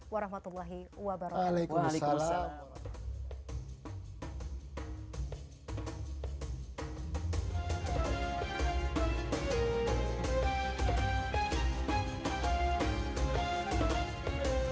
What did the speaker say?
warahmatullahi wabarakatuh waalaikumsalam